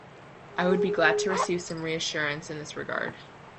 I would be glad to receive some reassurance in this regard.